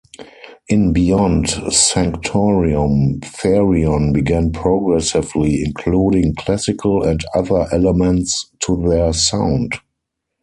In "Beyond Sanctorum" Therion began progressively including classical and other elements to their sound.